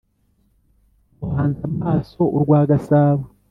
muhanze amaso urwa gasabo.”